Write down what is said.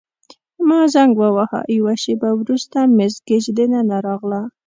ما زنګ وواهه، یوه شیبه وروسته مس ګیج دننه راغله.